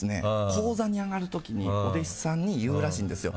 高座に上がるときにお弟子さんに言うらしいんですよ。